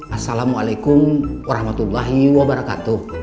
assalamualaikum warahmatullahi wabarakatuh